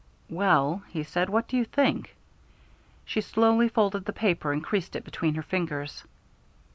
"Well," he said, "what do you think?" She slowly folded the paper and creased it between her fingers.